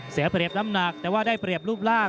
เสียเปรียบน้ำหนักแต่ว่าได้เปรียบรูปร่าง